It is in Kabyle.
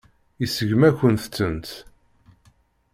Iseggem-akent-tent.